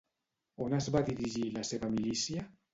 On es va dirigir la seva milícia?